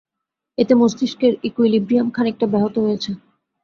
এতে মস্তিষ্কের ইকুইলিব্রিয়াম খানিকটা ব্যাহত হয়েছে।